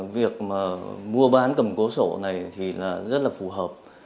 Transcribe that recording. việc mua bán cầm cố sổ này thì rất là phù hợp